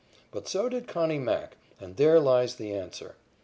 But so did "Connie" Mack, and there lies the answer.